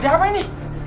ada apa ini